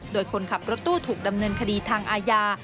โดยคนขับรถตู้ถูกดำเนินคดีทางอาญา